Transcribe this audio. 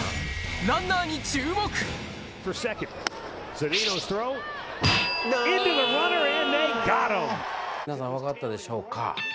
続いての皆さん分かったでしょうか。